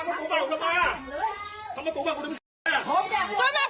ก็ไม่คุยดีเฉย